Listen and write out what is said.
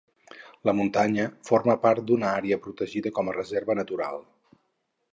La muntanya forma part d'una àrea protegida com a reserva natural.